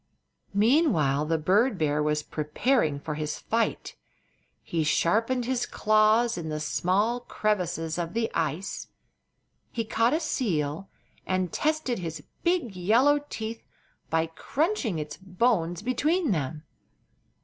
Meanwhile the bird bear was preparing for his fight. He sharpened his claws in the small crevasses of the ice. He caught a seal and tested his big yellow teeth by crunching its bones between them.